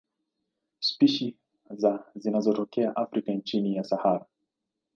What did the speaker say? Spishi za zinatokea Afrika chini ya Sahara.